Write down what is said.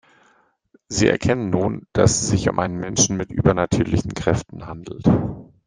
Sie erkennen nun, dass es sich um einen Menschen mit übernatürlichen Kräften handelt.